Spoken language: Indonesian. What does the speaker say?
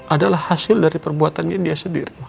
adalah hasil dari perbuatannya dia sendiri